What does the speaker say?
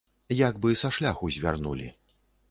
Як бы са шляху звярнулі.